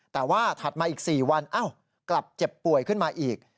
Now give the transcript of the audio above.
แต่ว่าถัดมาอีก๔วันกลับเจ็บป่วยขึ้นมาอีก